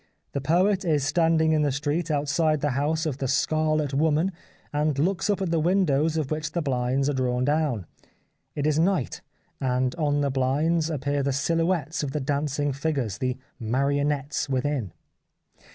The poet is standing in the street outside the house of the Scarlet Woman and looks up at the windows of which the blinds are drawn down. It is night, and on the blinds appear the " silhouettes " of the dancing figures, the " marionettes " within.